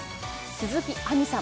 鈴木亜美さん